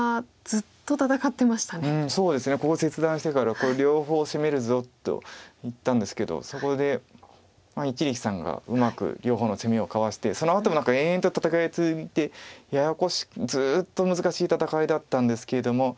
ここ切断してからこれ両方攻めるぞといったんですけどそこで一力さんがうまく両方の攻めをかわしてそのあとも何か延々と戦いが続いてずっと難しい戦いだったんですけれども。